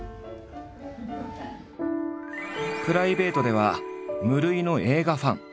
プライベートでは無類の映画ファン。